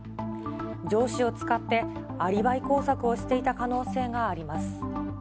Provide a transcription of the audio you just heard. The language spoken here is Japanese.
上司を使ってアリバイ工作をしていた可能性があります。